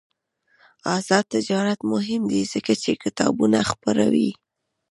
آزاد تجارت مهم دی ځکه چې کتابونه خپروي.